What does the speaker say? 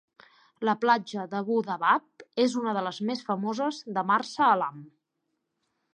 La platja d'Abu Dabab és una de les més famoses de Marsa Alam.